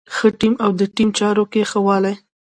ښه ټيم او د ټيم چارو کې ښه والی.